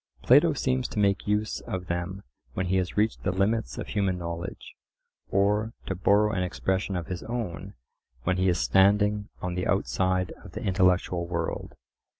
Plato seems to make use of them when he has reached the limits of human knowledge; or, to borrow an expression of his own, when he is standing on the outside of the intellectual world.